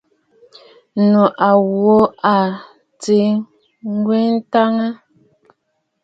Ŋù a kwo aa tɨ̀ wɛʼɛ̀ ǹtɔ̀ʼɔ̀nə̀.